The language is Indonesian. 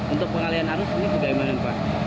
untuk pengalihan arus ini sudah emang yang pasti